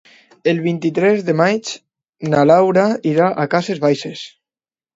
El vint-i-tres de maig na Laura irà a Cases Baixes.